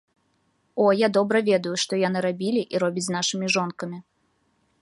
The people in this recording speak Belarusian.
О, я добра ведаю, што яны рабілі і робяць з нашымі жонкамі.